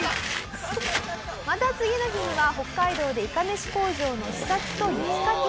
また次の日には北海道でいかめし工場の視察と雪かき。